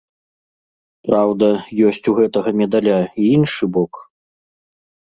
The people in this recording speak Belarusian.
Праўда, ёсць у гэтага медаля і іншы бок.